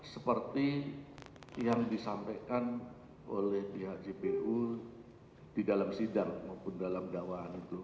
seperti yang disampaikan oleh pihak jpu di dalam sidang maupun dalam dakwaan itu